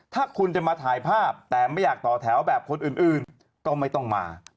ถ้าคุณจะมาถ่ายภาพแต่ไม่อยากต่อแถวแบบคนอื่นก็ไม่ต้องมา